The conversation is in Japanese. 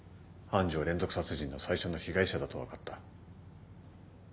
愛珠は連続殺人の最初の被害者だと分かった。